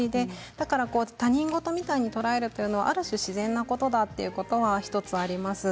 だから他人事みたいに捉えるのはある種自然なことだと１つあります。